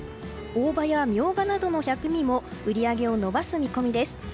大葉やミョウガなどの薬味も売り上げを伸ばす見込みです。